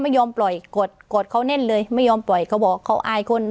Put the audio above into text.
ไม่ยอมปล่อยกดกดเขาแน่นเลยไม่ยอมปล่อยเขาบอกเขาอายคน